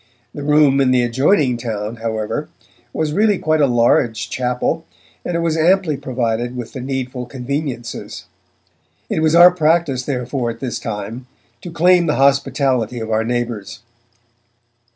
The Room in the adjoining town, however, was really quite a large chapel, and it was amply provided with the needful conveniences. It was our practice, therefore, at this time, to claim the hospitality of our neighbours.